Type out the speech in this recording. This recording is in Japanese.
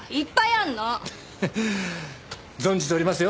ハハッ存じておりますよ。